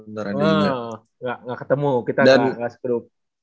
ntar ada yang gak ketemu kita gak segera